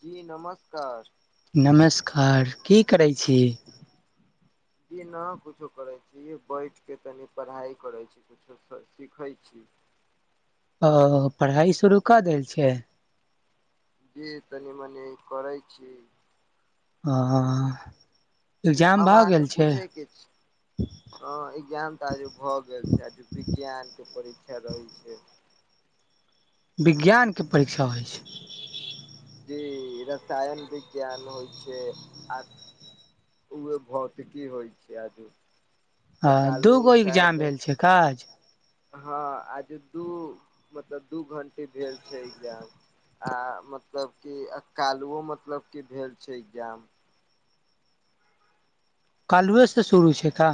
जी नमस्कार नमस्कार की करै छी जी नहि कुछो करैत छी बैठके तनी पढ़ाइ करैत छी कुछो सीखैत छी ओ पढ़ाई शुरू कऽ देल छै जी तनी-मनी करै छी हँ हं एग्जाम भऽ गेल छै हँ ज्ञान तऽ आज भऽ गेल छै आज विज्ञानके परीक्षा रहै छै विज्ञानके परीक्षा होइ छै जी रसायन विज्ञान होइ छै आ उहे भौतिकी होइ छै आजु ह दूगो एग्जाम भेल छै काज हँ आज दू मतलब दू घंटे भेल छै एग्जाम आ मतलब कि कालहुओ मतलब कि भेल छै एग्जाम कालहुवे से शुरू छै का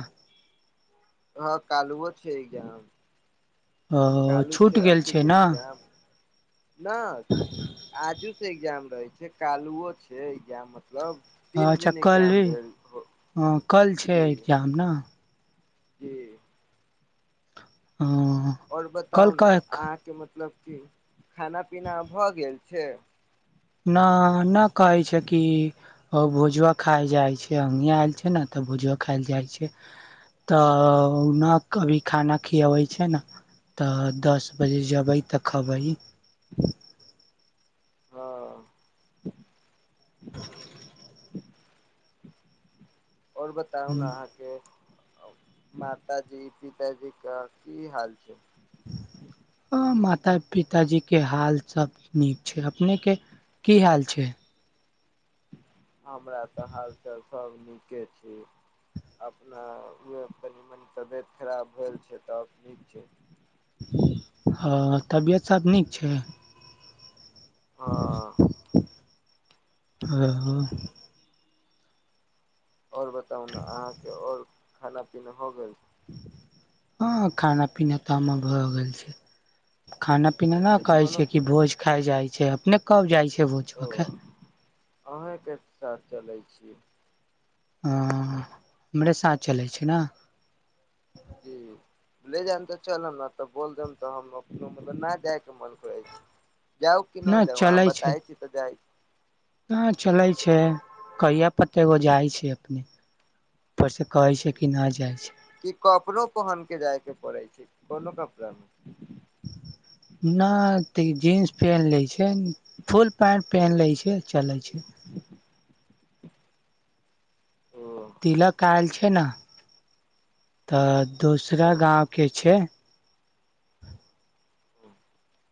हँ कालूछै एकजाम अ कालहु छूट छै गेल अथिके ने एग्जाम ना आजु एग्जाम रहै छै कालहुओ छै एग्जाम मतलब तीन अच्छा दिन एग्जाम कलहि भेल कल छै जी एग्जाम न जी आओर कल बताउ न कह अहाँके मतलब खाना-पीना भऽ गेल छै न नहि कहै छै कि ओ भोजवा खाय जाइ छै अ आयल छै ने तऽ त भोजवा खायएल जाइ छै तऽ न कभी खाना खियाबै छै न तऽ दस बजे जयबै तअ खायबै हँ [unintelligible] आओर बताउ ने अहाँके माता जी पिताजी क की हाल छै ह माता पिताजी के हाल सब नीक छै अपने के की हाल छै हमरा तऽ हालचाल सभ नीके छै अपना कनि मनि तबियत खराब भेल छै तऽ नीक छै हँ तबियत हँ हँ आओर बताउ ने अहाँके आओर खाना पीना हो गेल हँ खाना पीना तऽ हमर भऽ गेल छै खाना पीना नहि कहै खाना छै कि पीना भोज खाइ जाइ छै अपने कब जाइ छै भोज ओ खाय अहीँके साथ चलै छीय हँ हमरे साथ चलय छै नए जी ले जायब तऽ चलेनै त बोल देब त हम ने तऽ मतलब नहि जायके मन करै छै जाउ कि नहि जाउ अहाँ बताै छी तऽ जाय छी ह चलै छै कहिआ बतेबौ जाइ छै अपने उपर से कहै छै छी कि नहि जाइ छै कि कपड़ो पहिनक कऽ जायके पड़ै छै कोनो कपड़ामे ह नाइ त जींस पेहेन लै छै फुल पैंट पेहेन लै छै चले छै ओ तिलक आयल छै ने तऽ दोसरा ओ गाँव के छै ह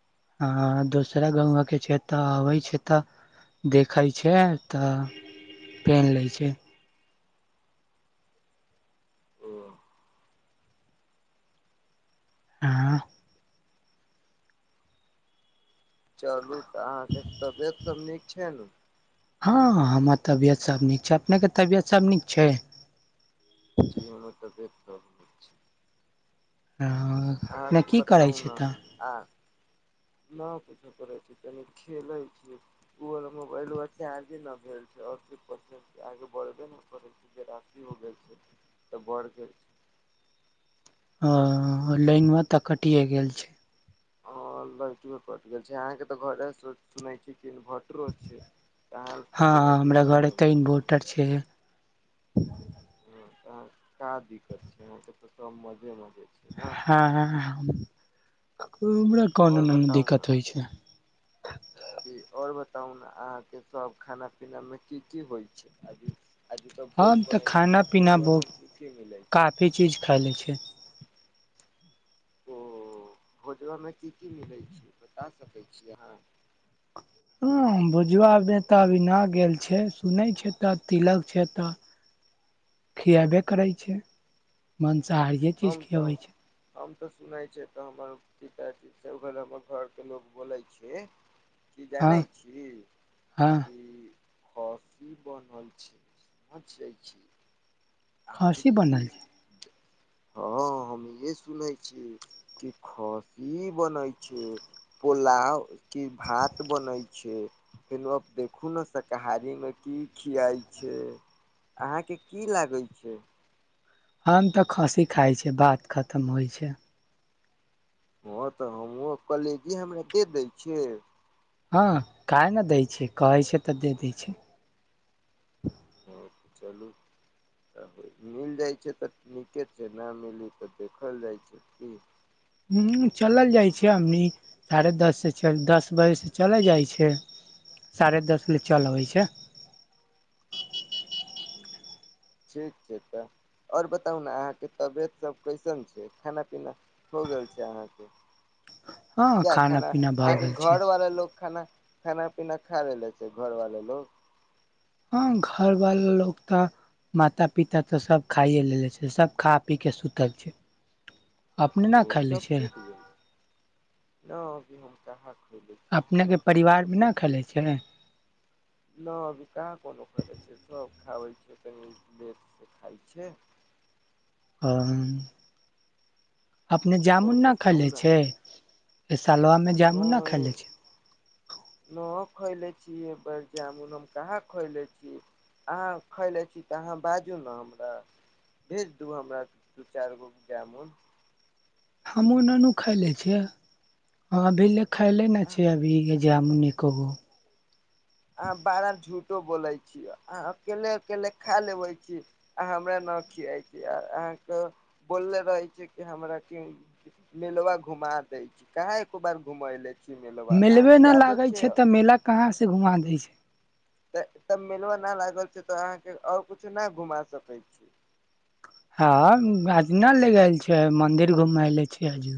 हँ दोसरा गाँवआ के छै तऽ अबै छै तऽ देखई छै तऽ पेन लई छै ओ हँ चलू तऽ अहाँके तबियत सब नीक छै न हँ हमर तबियत सब नीक छै अपने के तबियत सब नीक छै जी हमर तबियत खब छै ह न की करै छै ने तऽ आ न कूछो करै छै तनि खेलई छि ओ मोबलवा चारजे न भेल छै आस्सी किछ पसे आगे बढ़बे नहि करैत छै जे रशी हो गेल छै तऽ बढ़ि गेल छै ह लाईनवा तऽ कटीए गेल छै हट कट गेल छै अहाँके तऽ घरे सुनै छी इन्भर्टरो छै तहन तऽ हँ कोनो हमरा दिक्कते घर नहि एते भेत इन्वर्टर छै ह तहन का दिक्कत छै अहाँके तऽ सब मजेमे हँ हमरा कोन आओर न बताउ दिक्कत ने होइ छै जी आओर बताउ न अहाँके सब खाना पीना मे की की होइ छै अभी अभी तऽ भोज हम तऽ बनै छै खाना पीना भोजवा मे बहुत की की मिलै छै काफी चीज खाईलै छीयै ओ भोजबामे की की मिलै छै बता सकै छी अहाँ ह भोजवा मे तऽ अभी नह गेल छै सुनै छै तऽ तिलक छै तऽ खिएबे करै छै मनसाहारीए चीज हम तऽ खियबै छै हम तऽ सुनै छै तऽ हमर पिताजी से अोकर हमर घरके लोग बोलै छै की हँ जानै छी हँ की कॉफी बनल छै समझै छी खस्सी आरी बनल छै हँ हम ये सुनेै छी कि खस्सी बनय छै पोलाव की भात बनै छै फेन अब देखू न शाकाहारी मे की खियाइ छै अहाँके की लागै छै हम तऽ खस्सी खाइ छिय बात खतम होइ छै हँ तऽ हमहु कलेजिय हमरा के दै छियै हँ काहे न दै छै कहै छै तऽ दे दै छै ह चलू त मिल जाइ छै तऽ नीके छै न मिलि तऽ देखल जाइ छै की हू चलल जाइ छै हमनी साढ़े दस सँ चल दस बजे से चलल जाइ छै साढ़े दस ले चल अबै छै ठीक छै तऽ ओर बताउ न अहाँके तबियत सब कैसन छै खाना पीना हो गेल छै अहाँके [inaudible] जा खाना पीना भऽ अहाँके गेल छै घर वाला लोक खाना खाना पीना खा लेले छै घरवाला लोग हँ घर बाला लोग ता माता पिता तऽ सब खाइए लेले छै सब खा पी कऽ सुतल छै अपने न ओ खैले सब छै सुत गेल छै न अभी हम काहा अपनेके परिवारमे न खेलै छै न अभी काहा कोनो खैले छै सब खाबै छै कनि देर से खाइ छै ह अपने आओर जामुन न बताउ खएले ने छै सालवा मे जामुन न खायले छै खोएले छीयए बड़ जामुन हम कहाँ खएले छी अहाँ खयले छी तऽ अहाँ बाजू न हमरा भेज दू हमरा दू-चार गो जामुन हमू ननू खायले छियै अभी ले खायले न छियै अभी जामून एको गो अहाँ बारर झूठो बोलै छियै अहाँ अकेले-अकेले खा लेबे छी आ हमरा सब खिइयते अहाँके बोलले रहे छी हमरा मेलवा घुमाओ द छी कहख एको बार घुमले मेलबे न लागे छै तऽ मेला कहाँ से घुमा दै छै तऽ तब मेलबा न लागल छै तऽ अहाँके आओर किछो नइ घुमा सकै छी हँ आजना ले गेलल छिय मंदिर घुमले छ आजू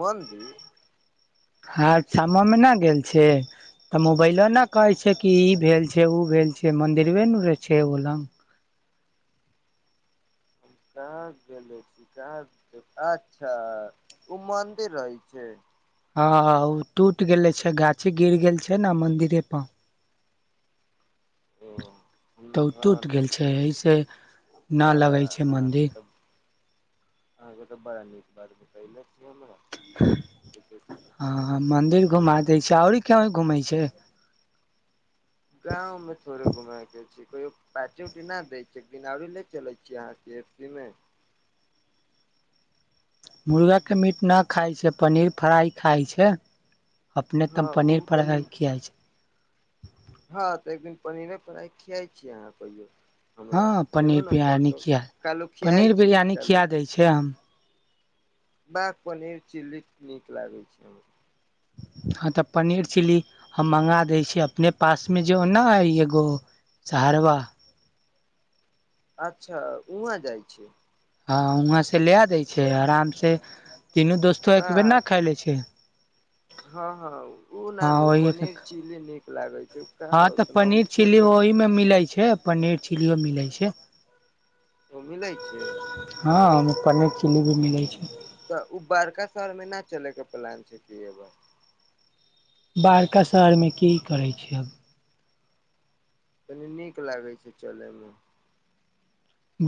मन्दीर अच्छह मम्मी न गेल छै तऽ मोबाइलो ने कहै छै कि ई भेल छै ओ भेल छै मंदिरवे नु रहे छै ओ लंग [inaudible] कहा गेले अछी अच्छा ओ मन्दिर रहै छै हँ ओ टूटि गेलै छै गाछी गिर गेल छै न मंदिरे पर ओ तऽ ओ हँ टूटि गेल छै देखले रह एहिसँ नहि लगै छै मन्दिर आहा ग तऽ बड़ा नीक बार [unintelligible] हँ मंदिर घुमा दै छै आओरी कहि घुमै छै गाँव में थोड़े घुमे के कहियो पार्टी-उटी नहि दै छै बिनारी ले चलै छियै अहाँके एफ सी मे मुर्गाके मीट ना खाइ छै पनीर फ्राइ खाइ छै अपने तो हँ पनीर ओ फ्राई तनी खियाई छै हँ तऽ एक दिन पनीरे फ्राइ खियाइ छियै अहाँ कहियो हमरा हँ चलू पनीर ने बिरियानी परसो किया काल्हू खियाइ पनीर छी बिरियानी खिया दै छै हम बक पनीर चिल्ली नीक लागै छै हमरा हँ तऽ पनीर चिली हम मंगा दै छ अपने पास मे जो न है एगो सहरवा अच्छा उहाँ जाइ छिय हँ वहां से लए दै छै आराम से तीनू दोस्तो एक बाह बेेर न खायले छियै हँ हँ ओ नानू ओहि पनीर चिली नीक लागे छै कहाँ हँ तऽ ओतना ओहिमे पनीर छोट चिली छोट ओहिमे मिलै छै पनीर चिलीयो मिलै छै ओ मिलै छै हँ पनीर चिली भी मिलै छै तऽ ओ बड़का शहरमे नहि चलैके प्लान छै कि बड़का शहरमे की करै छैिय आब कनी नीक लागै छै चलयमे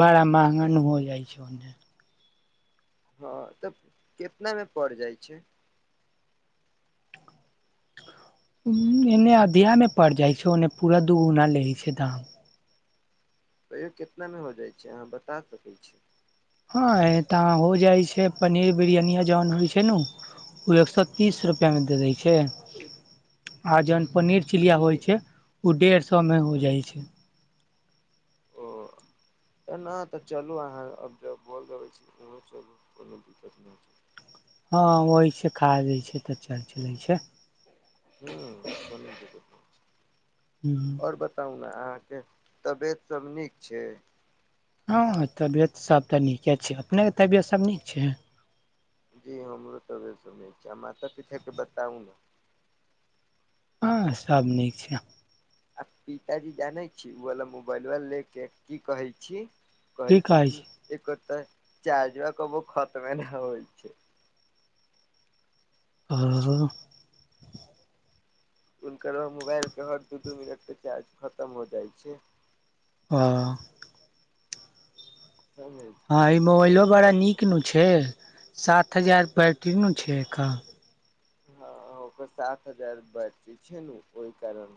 बड़ा महंगा न हो जाइ छै ओने हँ तऽ केितनामे पड़ जाइ छै [unintelligible] ह एने अधेमे पड़ जाइ छै ओने पूरा दूगुना लै छै धाम तहियो केितनामे हो जाइत छै अहाँ बता सकैत छी हँ तऽ हो जाइ छै पनीर बिरियानिया जहन होइ छै नु ओ एक सए ओ तीस रुपआ मे दे दै छै आ जहन पनीर तऽ चिलिया नहि होइ छै ओ डेढ़ सए मे हो जाइ छै [unintelligible] तऽ नहि तऽ चलू अहाँ अब जब बोल गबै छी ओ चलू कोनो दिक्कत नहि छै हँ वह छै खा जाइ छै तऽ चर् चलैत छै ह कोनो दिककत आओर बताउ ने अहाँ तबियत सब नीक छै हँ तबियत सभ तऽ नीके छै अपनेके तबियत सभ नीक छै जी हमरो तऽ व सुनै मात पिता के बताउ ने [unintelligible] हँ सब नीक छै आ पिताजी जानै छी ओबला मोबाइल वा ले के की कहै छी की कहै छी कि छै एकर तऽ चार्जबा कबो खतमे नहि होइ छै आहा हुनकरो मोबाइलके हर दू दू मिनटपे चार्ज खतम हो जाइ छै हँ समझै हँ ई छी मोबाइलो ओहि बड़ा कारण नीक नु छै सात हजार बैटरी नु छै एक हँ ओकर सात हजार बैटरी छै नु ओहि कारण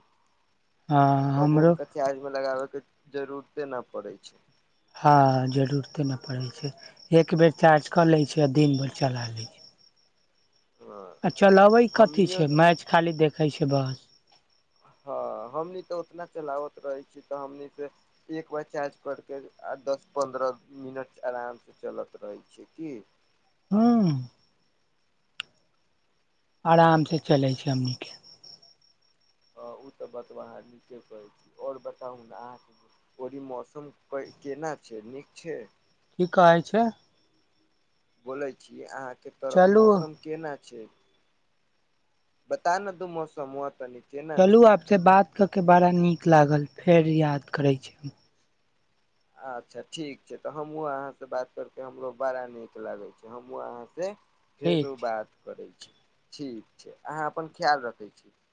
हँ कबो हमरो हुनका चार्जमे लगाबेके जरूरते नहि पड़ै छै हँ जरूरते नहि पड़ै छै एक बेर चार्ज कऽ लै छै आ दिन भर चला लै छै [inaudible] आ चलबै कथी हमनियो छै मैच खाली देखै छै बस हँ हमनी तऽ उतना चलाबत रहै छी तऽ हमनी के एक बार चार्ज करके आ दस पन्द्रह मिनट आरामसँ चलत रहै छै की हँ आरामसँ चलै छै हमनीके ओ उ तऽ बतबा अहाँ नीके कहै छी और बताउ न अहाँके की ओरी मौसम केना छै नीक छै की कहै छै बोलै छी अहाँ के तरफ चलू मौसम केना छै बता न तू मौसम तनी केना चलू छै आपसे बात कऽ के बड़ा नीक लागल फेर याद करै छी हम आच्छा ठीक छै तऽ हमहूँ अहाँसँ बात करके हमरो बड़ा नीक लागै छै हमहूँ अहाँसँ ठीक फेनु छै बात करै छी ठीक छै अहाँ अपन खयाल रखै छी